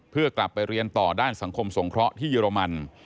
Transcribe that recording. เพื่อกลับไปเรียนต่อด้านสังคมสงเคราะห์ที่เยอรมัน